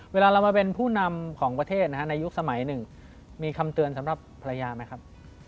เวลาเรามาเป็นผู้นำของประเทศนะฮะในยุคสมัยหนึ่งมีคำเตือนสำหรับภรรยาไหมครับ